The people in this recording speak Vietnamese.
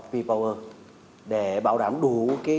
p power để bảo đảm đủ